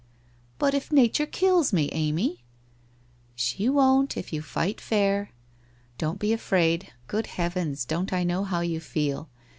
' But if Nature kills me, Amy? ' 1 She won't, if you fight fair. Don't be afraid. Good Heavens, don't I know how you feel!